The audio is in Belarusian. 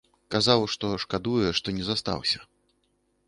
Казаў, што шкадуе, што не застаўся.